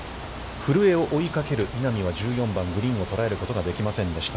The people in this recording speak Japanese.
古江を追いかける稲見は、１４番、グリーンを捉えることができませんでした。